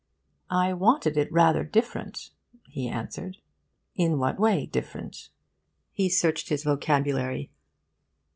'I wanted it rather diff'rent,' he answered. 'In what way different?' He searched his vocabulary.